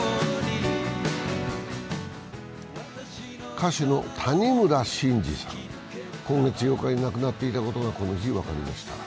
歌手の谷村新司さんが今月８日に亡くなっていたことがこの日、分かりました。